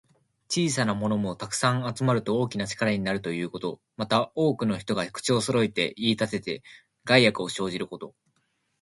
小さなものも、たくさん集まると大きな力になるということ。また、多くの人が口をそろえて言いたてて、害悪を生じること。